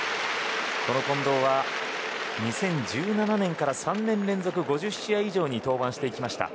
この近藤は２０１７年から３年連続５０試合以上に登板しました。